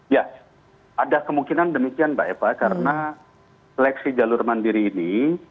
ya ada kemungkinan demikian mbak eva karena seleksi jalur mandiri ini